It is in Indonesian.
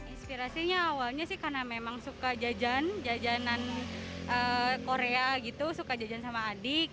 inspirasinya awalnya sih karena memang suka jajan jajanan korea gitu suka jajan sama adik